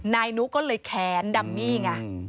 นายนุก็เลยแค้นดัมมี่ไง